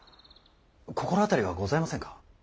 心当たりはございませんか。